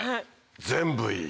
全部いい。